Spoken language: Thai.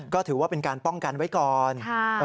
ก็ถือว่าเป็นการป้องกันไว้ก่อน